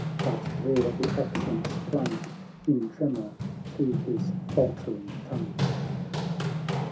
"— but there the accents clung In tremor to his faltering tongue.